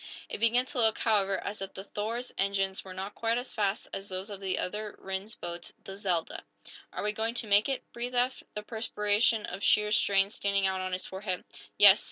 It began to look, however, as if the "Thor's" engines were not quite as fast as those of the other Rhinds boat, the "Zelda." "Are we going to make it?" breathed Eph, the perspiration of sheer strain standing out on his forehead. "Yes!"